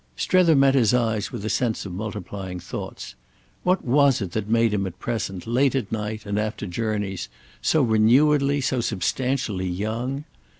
Strether met his eyes with a sense of multiplying thoughts. What was it that made him at present, late at night and after journeys, so renewedly, so substantially young?